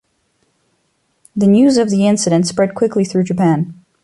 The news of the incident spread quickly through Japan.